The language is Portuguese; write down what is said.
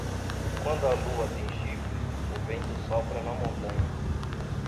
Quando a lua tem chifre, o vento sopra na montanha.